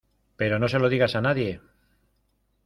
pero no se lo digas a nadie.